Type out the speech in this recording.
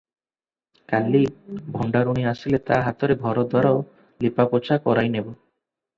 କାଲି ଭଣ୍ଡାରୁଣୀ ଆସିଲେ ତା ହାତରେ ଘରଦ୍ୱାର ଲିପାପୋଛା କରାଇ ନେବୁ ।